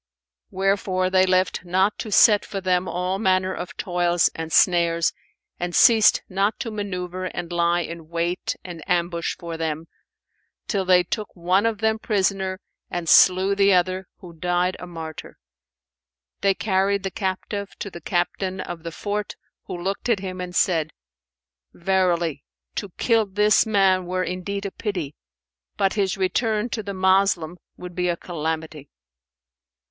Wherefore they left not to set for them all manner of toils and snares and ceased not to manoeuvre and lie in wait and ambush for them, till they took one of them prisoner and slew the other, who died a martyr. They carried the captive to the Captain of the fort, who looked at him and said, "Verily, to kill this man were indeed a pity; but his return to the Moslem would be a calamity."